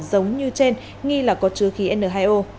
giống như trên nghi là có chứa khí n hai o